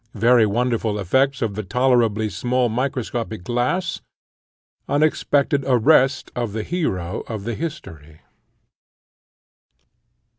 Very wonderful effects of a tolerably small microscopic glass. Unexpected arrest of the hero of the history.